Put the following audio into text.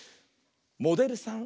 「モデルさん」。